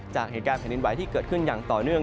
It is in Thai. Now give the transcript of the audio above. จากเหตุการณ์แผ่นดินไหวที่เกิดขึ้นอย่างต่อเนื่อง